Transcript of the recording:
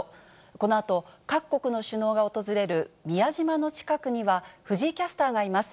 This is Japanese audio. このあと各国の首脳が訪れる宮島の近くには、藤井キャスターがいます。